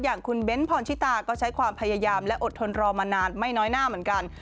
อย่างคุณเบ้นพรชิตาก็ใช้ความพยายามและอดทนรอมานานไม่น้อยหน้าเหมือนกัน